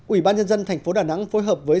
ủy ban nhân dân tp đà nẵng phối hợp với